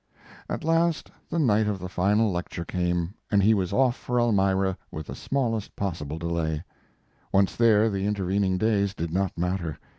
At last the night of the final lecture came, and he was off for Elmira with the smallest possible delay. Once there, the intervening days did not matter.